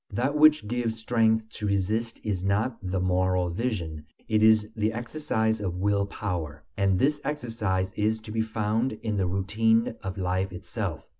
That which gives strength to resist is not the moral vision, it is the exercise of will power; and this exercise is to be found in the routine of life itself.